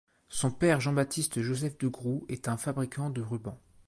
Son père Jean Baptiste Joseph de Groux est un fabricant de rubans.